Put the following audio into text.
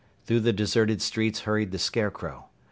Through the deserted streets hurried the Scarecrow.